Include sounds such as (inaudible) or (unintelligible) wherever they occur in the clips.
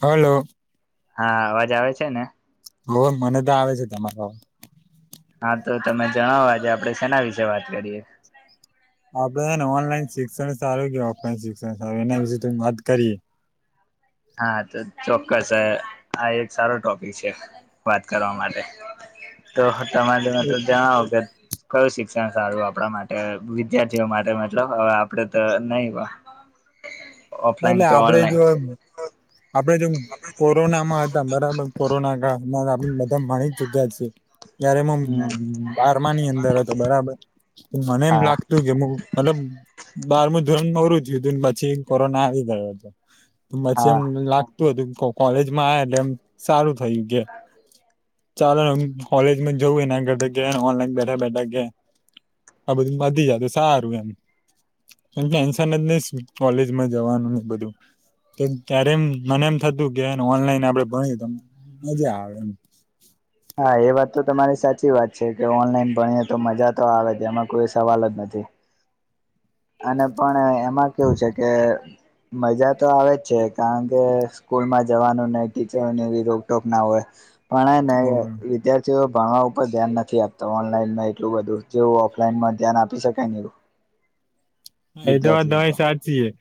Hello, હા અવાજ આવે છે ને? લો મને તો આવે છે તમે કો, હા તો તમે જણાવો આજે આપણે સેના વિશે વાત કરીએ. આપડે હે ને ઓનલાઈન શિક્ષણ સારું કે, ઓફલાઈન શિક્ષણ સારું એના વિશેે વાત કરીએ. હા તો ચોક્કસ આ એક સારો ટોપિક છે. વાત કરવા માટે તો તમારે (unintelligible) જણાવો કે, કયું શિક્ષણ સારું આપણા માટે, વિદ્યાર્થીઓ માટે મતલબ હવે આપડે તો નહી ઓફલાઈન કે ઓનલાઈન, આપણેે જો કોરોનામાં હતા બરાબર કોરોના કાળમાં આપ મધા ભણી ચુક્યા છીએ. ત્યારે મ હમ બારમા ની અંદર હતો બરાબર મને એમ હા લાગ તું કે મુ મતલબ બારમું ધોરણ પુરુ થયુંતું પછી કોરોના આવી ગયો હતો. પછી હા એમ લાગતું હતું કો, કોલેજમાં આ એટલે એમ સારું થયું કે, ચાલો એમ કોલેજ મા જવું એના કરતા ગયા ઓનલાઈન બેઠા બેઠા ગયા, આ બધું પતી જાયતો સારું એમ ટેન્શન જ ની કોલેજ માં જવાનું ને બધું, ત્યારે એમ મને એમ થતું કેને ઓનલાઈન આપડે ભણી તો મજા આવે એમ, હા એ વાત તો તમારી સાચી વાત છે, કે ઓનલાઈન ભણીએ તો મજા તો આવે છે એમાં કોઈ સવાલ જ નથી. (inaudible) અને પણ એમાં કેવું છે કે, મજા તો આવે જ છે, કારણ કે સ્કૂલમાં જવાનું નઇ ટીચરોને એ રોકટોક ના હોય. પણ હે ન, વિદ્યાર્થીઓ ભણવા ઉપર ધ્યાન નથી આપતા ઓનલાઈનમાં એટલું બધું જેવું ઓફલાઈનમાં ધ્યાન આપી શકાય ને એવું. એતો વાત વિદ્યાર્થી ઉપર તમારી સાચી હે,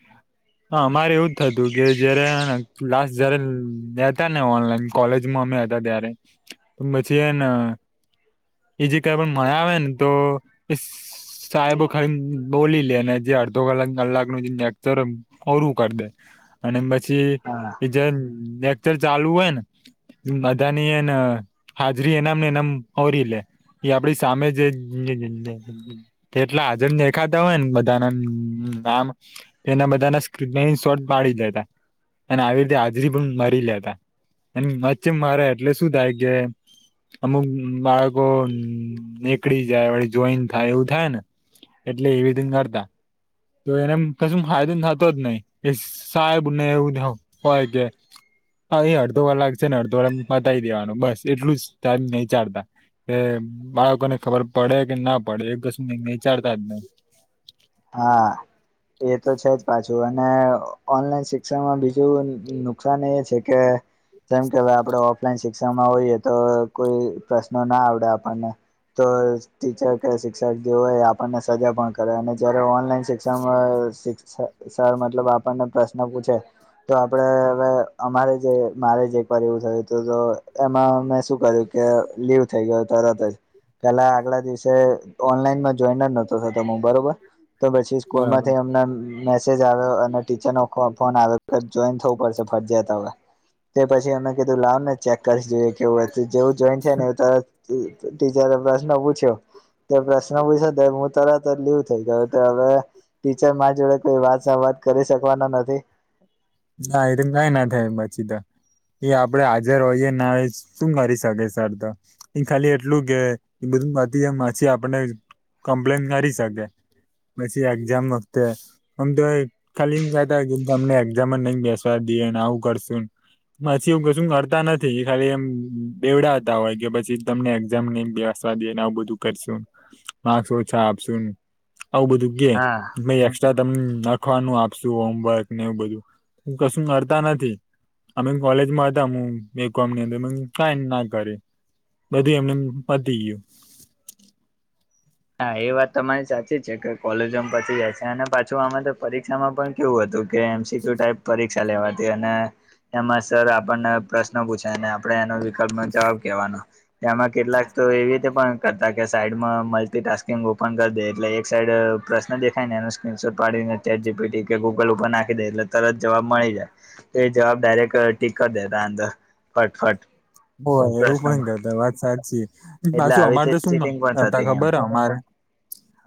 હા અમારે એવું જ થતું કે જયારે હેન ક્લાસ જયારે લેતા ને ઓનલાઈન, કોલેજમાં અમે હતા ત્યારે તો પછી એને કો એ જે કઈ પણ માયાવે ન તો સાહેબો ખાલી બોલી લે ને, જે અડધો કલાક કલાક નો જે નેક્ચર ઓરું કરી દે અને પ છી હા એ જે લલેક્ચર ચાલુ હોય ને, અદાની એન હાજરી એનામ એનમ આવરીલે એ આપડી સામે જે એટલા હાજરન દેખાતા હોય ને બ બધ નામ એના બધાના સ્કીન શોર્ટ પાડી દેતા અને આવી રીતે હાજરી પણ મારી લેતા અને મચ મારે એટલે શું થાય કે અમુક બાળકો નીકળી જાય વળી જોઈન થાય એવું થાય ને એટલે એવી રીત નરતા. તો એને કશ ફાયદો થતો જ નહી કે સાહેબને એવું હોય કે હા, એ અડધો કલાક છે ન અડધો એમ પતાઈ દેવાનું બસ એટલું જ ટાઇમ નહી ચાડતા કે બાળકોને ખબર પડે કે ના પડે એ કશું વિચારતા જ નહી. હા. એ તો છે જ પાછું અને ઓનલાઈન શિક્ષણમાં બીજું નુ કશાન એ છે કે જેમ કે હવે આપણે ઓફલાઈન શિક્ષણમાં હોઈએ તો કોઈ પ્રશ્નો ના આવડે આપણને તો ટીચર કે શિક્ષક જે હોય એ આપણને સજા પણ કરે અને જ્યારે ઓનલાઈન શિક્ષણમાં શિક્ષ સર મતલબ આપણને પ્રશ્ન પૂછે તો આપડે હવે અમારે જે મારે જ એક વાર એવું થયું તું તો એમાં મેં શું કર્યું કે લીવ થઈ ગયો તરત જ પેલા આગલા દિવસે ઓનલાઈનમાં જોઈન જ નહોતો થતો મુ બરોબર. તો પછી બરાબર સ્કૂલમાંથી અમને મે સેજ આવ્યો અને ટીચરનો કો ફોન આવ્યો ક જોઈન થવું પડશે ફરજયાત હવે. તે પછી અમે કીધું લાવ ને ચેક કરીશ જોઈએ કેવું જેવું જોઈન થયા ને તરતજ એ ટીચરે પ્રશ્ન પૂછ્યો તે પ્રશ્ન પૂછ્યો ને તો હું તરત જ લીવ થઈ ગયો હવે ટીચર માર જોડે કોઈ વાત સંવાદ કરી શકવાના નથી. ના એ તો ઈમ કાઈ ના થાય એમ જ સીધા. એ આપડે હાજર હોઈએ ના હોઈએ શું કરી શકે સર તો. એ ખાલી એટલું કે એ બધું (unintelligible) માછી આપનને કમ્પ્લેન કરી શકે. પછી એક્ઝામ વખતે અમ તો ખાલી ઈમ કેતા કે એક્ઝામ ને ઝામમાં નઈ બેસવા દઈએને આવું કરશુંન પછી એવું કશું કરતા નથી ખાલી એમ બેવડાવતા હોય કે પછી તમને એક્ઝામ નઈ બેસવા દઈને આવું બધું કરશું, માક્સૅ ઓછા આપશુંન આવું બધું કે હા અમે એકક્સ્ટ્રા તમ લખવાનું આપશું હોમવર્ક ને એવું બધું. કશું કરતા નથી. અમે કોલેજમાં હતા હું બી કોમ ની અંદર કઈ ના કર્યું. બધું એમનેમ પતી ગ્યું. હા, એ વાત તમારી સાચી જ છે કે કોલેજોમ પછી હશે અને પાછું અમે તો પરીક્ષામાં પણ કેવું હતું કે એમ સી ક્યુ ટાઈપ પરીક્ષા લેવાતી અને એમાં સર આપણને પ્રશ્ન પૂછે ને આપણે એનો વિકલ્પનો જવાબ કેવાનો. તેમાં કેટલાક તો એવી રીતે પણ કરતા કે સાઈડમાં મ લ્ટિટાસ્કિંગ ઓપન કરી દે એટલે એક સાઈડ પ્રશ્ન દેખાયને એનું સ્ક્રીનશોટ પાડીને ચેટ જી પી ટી કે ગૂગલ ઉપર નાખી દે એટલે તરત જવાબ મળી જાય. તે જવાબ ડાયરેક્ટ ટિક કર દેતા અંદર ફટફટ. બોલ એવું પણ પ્રશ્નોમાં કરતા. વાત સાચી, એટલે પાછું આવી અમારે રીતે તો શું ચીટિંગ પણ કરતા થતી એમ ખબર અમારે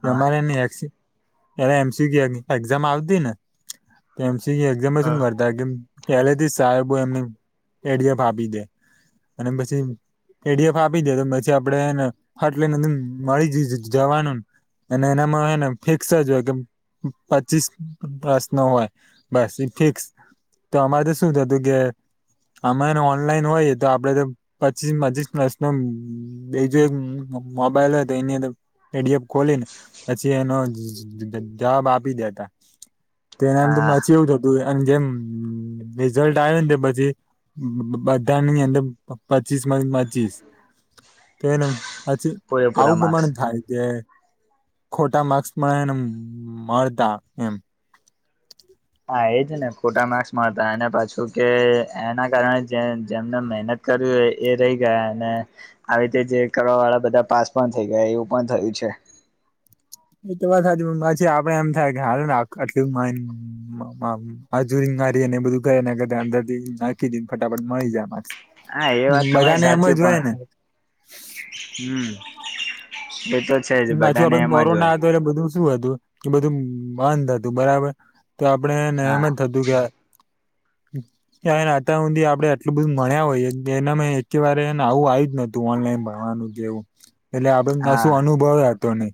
હા તમારેની એસી લે હવે એમ સી ક્યુ એક્ઝામ આવતીને તો એમ સી કયું એક્ઝામમાં શું કર કે પહેલેથી સાહેબો એમને એ ડી એફ આપી દે. અને પછી એ ડી એફ આપી દે તો પછી આપડેને ફટ લઈનેદ મળી જ જ જવાનું. અને એનામાં હોય ને ફિક્સ જ હોય કે પચીસ પ્રશ્નો હોય. બસ એ ફિક્સ તો અમારે શું થતું તું કે અમારે ઓનલાઈન હોય તો આપણે તો પચીસ પચીસ પ્રશ્નો બીજો એક મોબાઈલ હોય તો એની અંદર પીડીએફ ખોલીને પછી એનો જવાબ આપી દેતા. તેના નામ તો હા પાછી એવું અને જેમ રિઝલ્ટ આવ્યું ને પછી બધાની અંદર પચીસ માંથી પચીસ તો એને પછી પૂરેપૂરા આવું માર્ક્સ પ્રમાણે થાય છે કે ખોટા માર્ક્સ મળતા એમ હા એજ ને ખોટા માર્ક્સ મળતા અને પાછું કે એના કારણે જેમને મહેનત કરી હોય એ રહી ગયા અને આવી રીતે જે કરવા વાળા બધા પાસ પણ થઇ ગયા, એવું પણ થયું છે. એ તો વાત સાચી પણ પછી આપણને એમ થાય કે હાલો ને આટલું માન હાજરી મારી ને એ બધું ગયા ને નાખીને ફટાફટ મળી જાય માર્ક્સ હા એ વાત બધા તમારી ને એમ સાચી જ પણ હોય ને હમ એ તો છે જ બધાને એમ જ હોય. તો એ બધું શું હતું કે બધું બંધ હતું બરાબર તો આપણને હા એમ જ થતું થતું કે આ ને અત્યાર સુધી આપણે એટલું બધું ભણિયા હોય, એમાં એક વાર પણ આવું આવ્યું જ નથી. તો ઓનલાઈન ભણવાનું કેવું એટલે આપણે કોઈ હા અનુભવ હતો નહીં.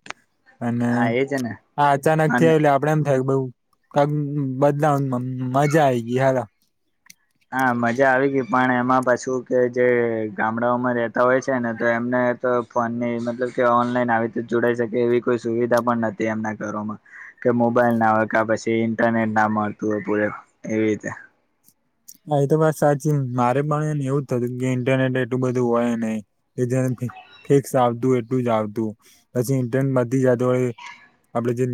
અને હા એજ ને આ અને અચાનકથી (inaudible) આપણે એમ થઈ ગયું કે બદલામાં મજા આવી ગઈ હાલો હા મજા આવી ગઈ પણ એમાં પાછું કે જે ગામડાઓમાં રહેતા હોય છે ને તો એમને તો ફોનની મતલબ કે ઓનલાઈન આવી રીતે જોડાઈ શકે એવી કોઈ સુવિધા પણ નથી એમના ઘરોમાં કે મોબાઈલ ના હોય કે પછી ઇન્ટરનેટ ના મળતું હોય પૂરુ એવી રીતે હા એ તો વાત સાચી મારે પણ એવું જ થતું કે ઇન્ટરનેટ એટલું બધું હોય નય એ જે ફિક્સ આવતું હોય એટલું જ આવતું પછી ઇન્ટર વધી જતુ હોય આપણેે જે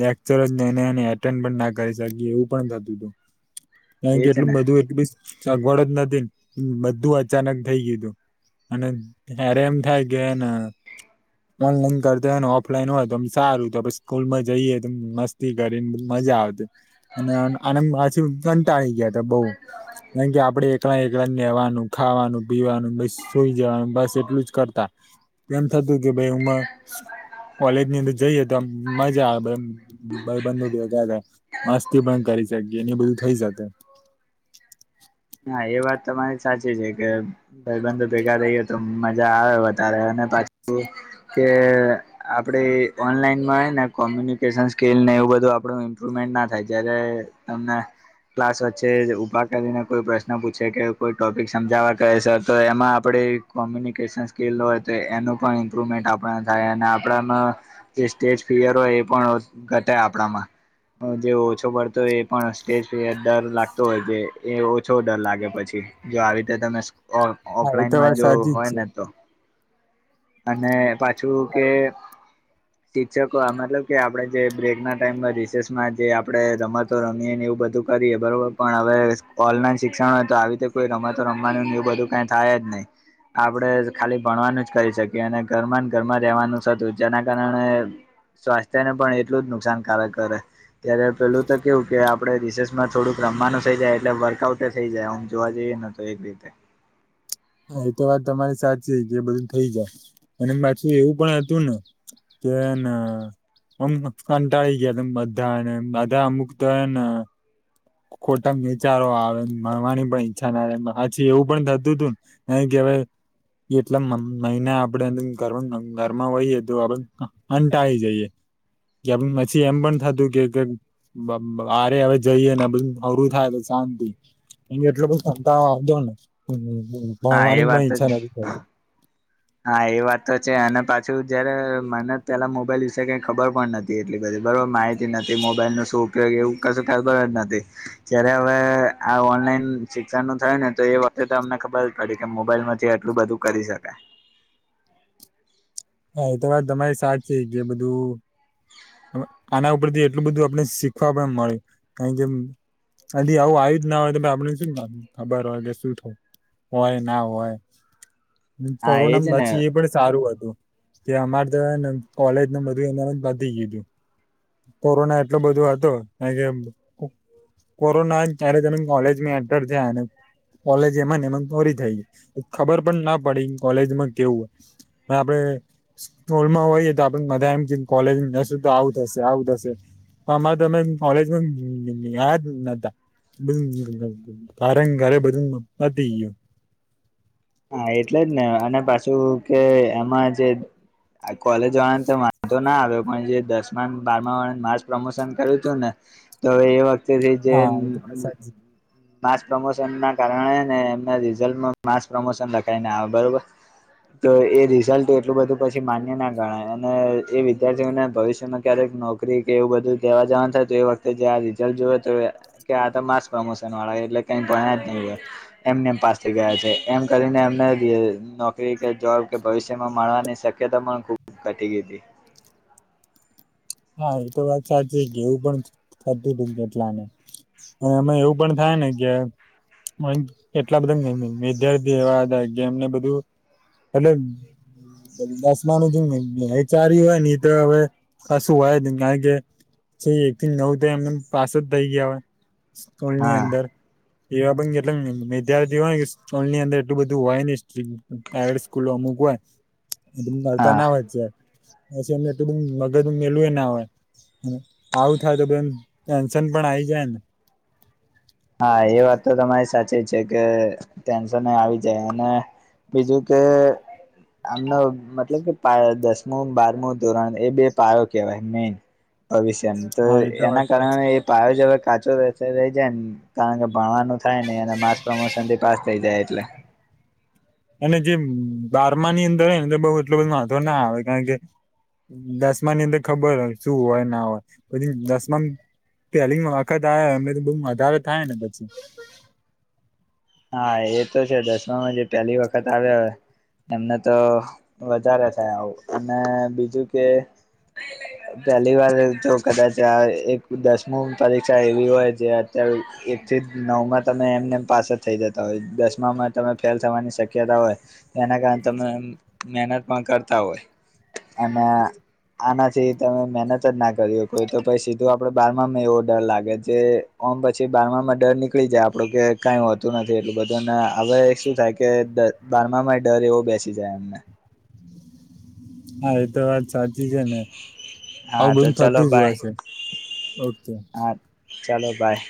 લેક્ચરને અટેન્ડ પણ ના કરી શકીએ એવું પણ થતું હતું કારણ એ કે છે ને એટલી બઘી સગવડ જ નથી ને બધું અચાનક થઇ ગયું તુ અને જ્યારે એમ થાય કે ના આ ઓનલાઈન કરતા ને ઓફલાઈન હોય તો સારું સ્કૂલ માં જઈએ તો મસ્ત મસ્તી કરીને મજા આવતી અને (inaudible) પાછા કંટાળી ગયા તો બઉ કે આપણે એકલા લાનેવાનું ખાવાનું પીવાનું સુઈ જવાનું બસ એટલું જ કરતા એમ થતું કે ભાઈ એમાં કોલેજ ની અંદર જઈએ તો આમ મજા આવે ભાઈબંધો બેઠા તા મસ્તી પણ કરી શકીએ એને બધું થઈ શકે હા એ વાત તમારી સાચી છે કે ભાઈબંધો ભેગા રહીએ તો મજા આવે વધારે અને પાછું કે આપણે ઓનલાઈનમાં છે ને કોમ્યુનિકેશન સ્કિલને એવું બધું આપણું ઇમ્પ્રુવમેન્ટ ના થાય જ્યારે તમને ક્લાસ વચ્ચે જ ઉભા કરીને કોઈ પ્રશ્ન પૂછે કે કોઈ ટોપિક સમજાવવા કહે સર તો એમાં આપણે કોમ્યુનિકેશન સ્કીલ હોય તો એનું પણ ઇમ્પ્રુવમેન્ટ આપણે થાય અને આપણામાં જે સ્ટેજફિયર હોય એ પણ ઘટે આપણામાં જે ઓછો પડતો હોય એ પણ સ્ટેજફિયર ડર લાગતો હોય કે ઓછો ડર લાગે પછી જો આવી રીતે તમે હા એ તો ઓફલાઈનમાં વાત જો સાચી જ હોય છે ને તો અને પાછું કે શિક્ષકો આ મતલબ કે, આપડણે જે બ્રેક ના ટાઈમમાં રિસેસમાં જે આપડે રમત તો રમીએ ને એવું બધુ કરીએ બરોબર, પણ હવે ઓનલાઈન શિક્ષણ ઓય, તો આવી રીતે કોઈ રમાતો રમવાનું એવું બધું કાઈ થાય જ નઈ. આપડે ખાલી ભણવાનું જ કરી સ કીએ અને ઘરમા ન ઘરમા રેવાનું ઝ અતુ, જેના કારણે સ્વાસ્થ્ય ને પણ એટલુ જ નુકસાનકારક કરે. ત્યારે પેલુ તો કેવું કે, આપડે રિસેસમાં થોડુંક રમવાનુ થઇ જાય એટલે વર્કઆઉટે થઈ જાય ઓમ જોવા જઈએ ન. તોયે ની થાય. એતો વાત તમારી સાચી કે, બધું થઈ જાય અને પાછું એવું પણ હતું ને કે ના હમ કંટાળી ગીયા ન બધાને બધા અમુક તો એ ના ખોટા વિચારો આવેને ભણવાની પણ ઈચ્છા ના રે હાચી એવુ પણ થતુ અતુ ને. નઈ કેવાય. એટલા મ-મ-મહિના ઘર્મ-ઘરમાં હોઈએ તો આપડે હંટાઈ જઈએ. કે પછી એમ પણ થતું કે-કે બ-બારે હવે જઈએ ને બધુ નવરું થાય, તો સાંતિ એન એટલો બધો કંટાળો આવતો ને હા એ ભણવાની પણ વાત ઈચ્છા જ નથી થતી. હા, એ વાત તો છે અને પાછું જયારે મને પેલા મોબાઈલ વિશે કઈ ખબર પણ ન એટલી બધી બયો માહિતી નથી, મોબાઈલનો સું ઉપયોગ એવું કશું ખબર જ નથી. જ્યારે અવે આ ઓનલાઈન શિક્ષણ નું થહે ને, તો એ વખતે અમને ખબર પડી કે, મોબાઈલ માંથી આટલુ બધુ કરી સકાય. એય તો વાત તમાયી સાચી જ જે બધુ અવ આના ઉપરથી એટલું બધું આપને સીખવા પણ મળે કાયણ કે કદી આવું આયુ જ ના હોય આપડે સુ ખબ (unintelligible) શું હોય ના હોય. હા કોરોના એજ ને પછી એ પણ સારું અતુ કે, અમારે ત હેને કોલેજ ને બધું એમાનું જ પતિ ગીયું. કોરોના એટલો બધો હતો કાય કે કોરોના જ ત્યારે જ અમે કોલેજમાં એન્ટર થયાને કોલેજ એમા ને એમાં જં પુરી થઈ, ખબર પણ ના પડી કોલેજમાં કેવું ઓય. આપડે સ્કૂલમાં ઓઈએ તો આપેન બધા એમ જે કોલેજ જસુ તો આવું થસે, આવું થસે પણ અમારે તમે કોલેજમાં ગયા જ નતા. બધું તારેંન ઘરે બધું પતી ગીયું. હા, એટલે જ ને અને પાસું કે એમાં જે આ કોલેજ વાળને તો વાંધો ના આવે પણ જે દસમાન બારમા વાળાને માસ પ્રમોશન કર્યું ઉતું ને, તો એ વખ્તેથી જે હા એ તો વાત સાચી માસ પ્રમોશન ના કારણે ને એમના રિઝલ્ટમાં માસ પ્રમોશન લખાઈને આવે, બરોબર. તો એ રિઝલ્ટ એટલું બધું પછી માન્ય ના ગણાય અને એ વિદ્યાર્થીઓને ભવિષ્યમાં ક્યારેક નોક કરી કે એવું બધું જવા જવાનુ થાય તો, એ વખ્તે જે આ રિઝલ્ટ જોયો તો કે આ તો માસ પ્રમોશન વાળા એટલે કઈ ભણાયા જ નહી એમ, એમને એમ પાસ થઈ ગયા છે. એમ કરીને, એમને જ નોકરી કે જોબ કે ભવિષ્યમા મળવાની સક્યતા પણ ખૂબ ઘટી ગઇ ઈતી. હા. એ તો વાત સાચી જ, એવુ પણ થતું અતું કેટલાને. અય અમા એવું પણ થાય ને કે મળીન એટલા બધા વિદ્યાર્થી એવા અતા કે એમને બધું એટલે દ-દસમાનું જેમ વ-વચાયરુ ઓય ને ઈ તો અવે કશું હોય જની કારણ કે જે એક થી નવ થાય એમને એમ પાસ જ થઈ ગયા હોય. સ્કૂલની હા અંદર એવા પણ કેટલા વિદ્યાર્થી હોને સ્કુલની અંદર એટલું બધું હોય ની સ્ટ્રીકટ પ્રાઇવેટ સ્કૂલો અમુક હોય (unintelligible) હા ના હોય છે પછી એમને એટલું બધું મેલુંય એ ના હોય આવું થાય તો બેન ટેન્શન પણ આઈ જાય ને હા એ વાત તો તમારી સાચી છે કે ટેન્શનએ આવી જાય અને બીજું કે આમનો મતલબ કે પાયો દસમું બારમું ધોરણ એ બે પાયો કેવાય મેઈન ભવિષ્યનો તો હા એ એનાં વાત સાચી કારણે એ પાયો જે હવે કાચો રાચો રહી જાય ને કારણ કે, ભણવાનું થાય નઈ ને અને માસ પ્રમોશનથી પાસ થઇ જાય એટલે અને જે બારમાની અંદર હેને બઉ એટલું બધું વાધો ના આવે કારણ કે દસમાની અંદર ખબર હોય શું હોય ના હોય પછી દસમામ પેલી વખત આયા હોય એમને તો બહું વધારે થાય ને પછી હા એ તો છે દસમામાં જે પહેલી વખત આવ્યા હોય એમને તો વધારે થાય આવું અને બીજું કે પહેલીવાર તો કદાચ એક દસમું પરીક્ષા એવી હોય જે ત્યાર એક થી નવમાં તમે એમનેમ પાસ જ થઈ જતાં હોય. દસમામાં તમે ફેલ થવાની શક્યતા હોય એનાં કારણે તમે મહેનત પણ કરતા હોય અને આમા છે એ તમે મહેનત જ ના કરી હોય કોઈ તો પછી સીધું આપડે બારમાં એવો ડર લાગે જે ઓમ પછી બારમાં ડર નીકળી જાય આપડો કે કાઈ હો તું નથી એટલું બધુંને હવે શું થાય કે તે બારમામાં ડર એવો બેસી જાય એમને હા એતો વાત સાચી ચી છે હા નેઆવું તો બધું ચલો થતું જ હોય બાય છે ઓકે ચલો બાય